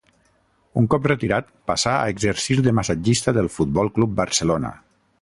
Un cop retirat, passà a exercir de massatgista al Futbol Club Barcelona.